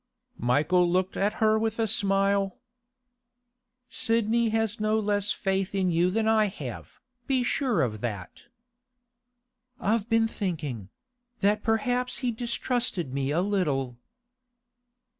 Michael looked at her with a smile. 'Sidney has no less faith in you than I have, be sure of that.' 'I've been thinking—that perhaps he distrusted me a little.